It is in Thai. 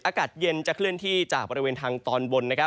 อากาศเย็นจะเคลื่อนที่จากบริเวณทางตอนบน